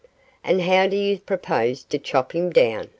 'And how do you propose to chop him down?